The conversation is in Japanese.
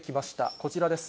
こちらです。